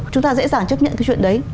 chúng ta dễ dàng chấp nhận cái chuyện đấy